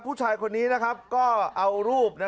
ผู้ชายคนนี้นะครับก็เอารูป